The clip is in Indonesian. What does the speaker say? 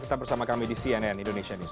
tetap bersama kami di cnn indonesia newsro